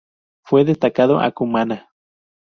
Fue destacado a Cumaná.